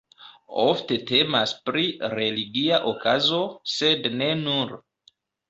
Ofte temas pri religia okazo, sed ne nur.